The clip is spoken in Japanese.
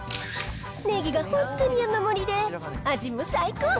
ネギが本当に山盛りで、味も最高。